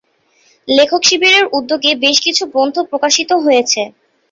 লেখক শিবিরের উদ্যোগে বেশ কিছু গ্রন্থ প্রকাশিত হয়েছে।